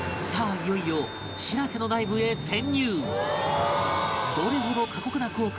いよいよ「しらせ」の内部へ潜入